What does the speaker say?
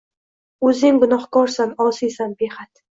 O’zing gunohkorsan, osiysan behad